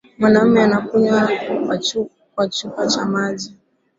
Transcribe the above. Mwanamume anakunywa kwa chupa cha maji